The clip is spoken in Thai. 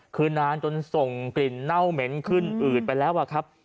คือนานจนส่งกลิ่นเน่าเหม็นขึ้นอืดไปแล้วอะครับ